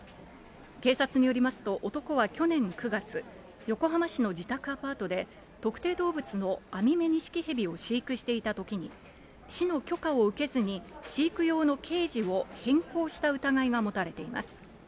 警察によりますと、男は去年９月、横浜市の自宅アパートで、特定動物のアミメニシキヘビを飼育していたときに、市の許可を受けずに飼育用のケージを変更した疑いが持たれています。